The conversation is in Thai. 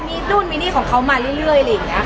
มีรุ่นมีหนี้ของเขามาเรื่อย